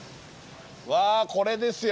わあこれですよ。